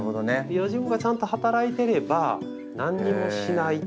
用心棒がちゃんと働いていれば何にもしない。